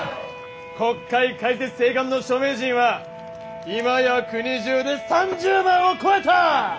国会開設請願の署名人は今や国中で３０万を超えた！